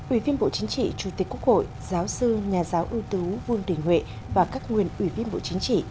ủy viên bộ chính trị chủ tịch quốc hội giáo sư nhà giáo ưu tú vương đình huệ và các nguyên ủy viên bộ chính trị